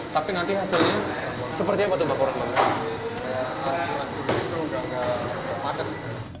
tapi nanti hasilnya seperti apa tuh bakoran bang